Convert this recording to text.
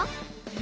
え？